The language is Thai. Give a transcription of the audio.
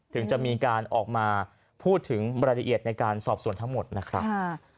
ถึงจะมีการออกมาพูดถึงรายละเอียดในการสอบส่วนทั้งหมดนะครับ